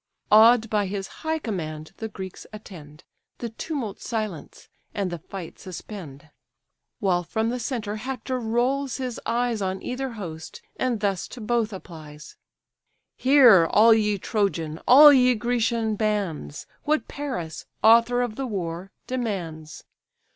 Awed by his high command the Greeks attend, The tumult silence, and the fight suspend. While from the centre Hector rolls his eyes On either host, and thus to both applies: "Hear, all ye Trojan, all ye Grecian bands, What Paris, author of the war, demands.